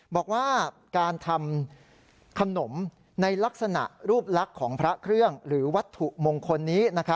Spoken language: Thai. บอกว่าการทำขนมในลักษณะรูปลักษณ์ของพระเครื่องหรือวัตถุมงคลนี้